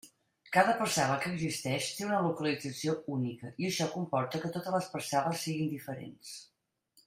Cada parcel·la que existeix té una localització única i això comporta que totes les parcel·les siguen diferents.